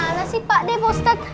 malah pak depo ustadz